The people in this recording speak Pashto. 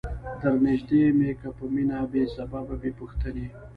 در نیژدې می که په مینه بې سببه بې پوښتنی